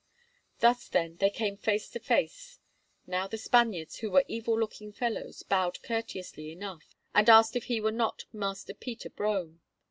Thus, then, they came face to face. Now, the Spaniards, who were evil looking fellows, bowed courteously enough, and asked if he were not Master Peter Brome.